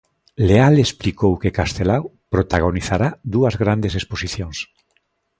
Leal explicou que Castelao protagonizará dúas grandes exposicións.